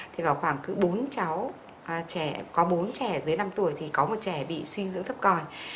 thì vào khoảng cứ bốn cháu trẻ có bốn trẻ dưới năm tuổi thì có một trẻ bị suy dưỡng thấp còi